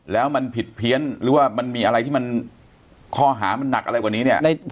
แล้วมันผิดเพี้ยนหรือว่ามันมีอะไรที่มันข้อหามันหนักอะไรกว่านี้เนี่ย